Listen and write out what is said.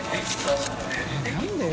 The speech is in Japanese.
┐何で？